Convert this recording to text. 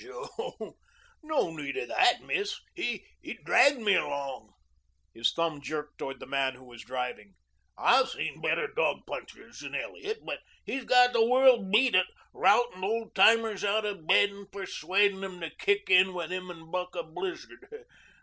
"Sho! No need of that, Miss. He dragged me along." His thumb jerked toward the man who was driving. "I've seen better dog punchers than Elliot, but he's got the world beat at routin' old timers out of bed and persuadin' them to kick in with him and buck a blizzard.